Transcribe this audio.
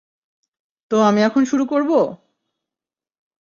তো আমি এখন শুরু করব?